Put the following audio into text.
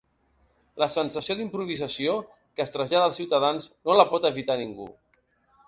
La sensació d’improvisació que es trasllada als ciutadans no la pot evitar ningú.